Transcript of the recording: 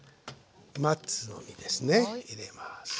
松の実ですね入れます。